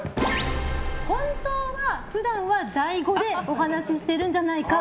本当は普段は、ＤＡＩ語でお話ししているんじゃないか。